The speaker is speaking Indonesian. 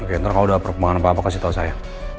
oke ntar kalau udah permohonan apa apa kasih tau saya